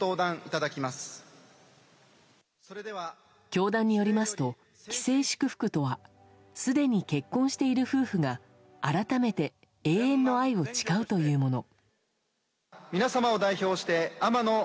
教団によりますと既成祝福とはすでに結婚している夫婦が改めて永遠の愛を誓うというもの。